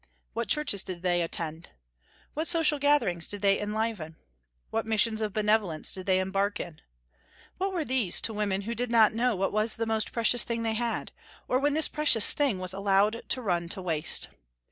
What churches did they attend? What social gatherings did they enliven? What missions of benevolence did they embark in? What were these to women who did not know what was the most precious thing they had, or when this precious thing was allowed to run to waste?